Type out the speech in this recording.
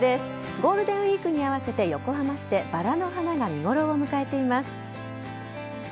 ゴールデンウイークに合わせて横浜市でバラの花が見ごろを迎えています。